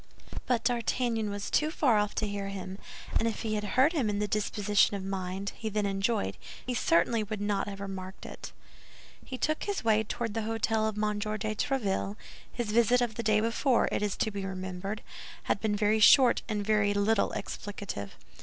But D'Artagnan was too far off to hear him; and if he had heard him in the disposition of mind he then enjoyed, he certainly would not have remarked it. He took his way toward the hôtel of M. de Tréville; his visit of the day before, it is to be remembered, had been very short and very little explicative.